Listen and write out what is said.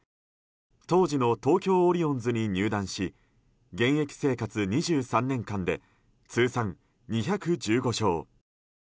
当時の東京オリオンズに入団し現役生活２３年間で通算２１５勝。